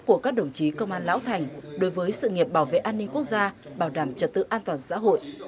của các đồng chí công an lão thành đối với sự nghiệp bảo vệ an ninh quốc gia bảo đảm trật tự an toàn xã hội